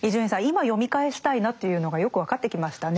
今読み返したいなというのがよく分かってきましたね。